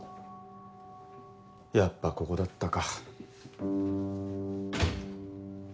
やっぱここだったか。